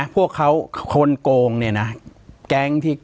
ปากกับภาคภูมิ